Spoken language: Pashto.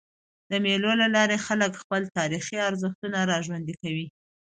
د مېلو له لاري خلک خپل تاریخي ارزښتونه راژوندي کوي.